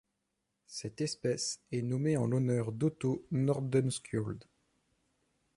Cette espèce est nommée en l'honneur d'Otto Nordenskjöld.